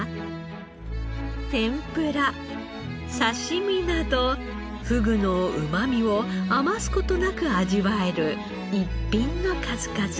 天ぷら刺し身などふぐのうまみを余す事なく味わえる逸品の数々。